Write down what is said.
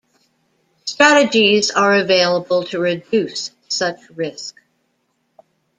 Strategies are available to reduce such risk.